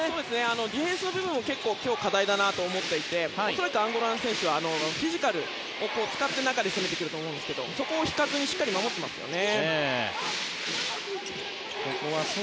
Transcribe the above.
ディフェンスが今日は課題だと思っていて恐らく、アンゴラの選手はフィジカルを使って中を攻めてくると思いますがそこをしっかり守っていますね。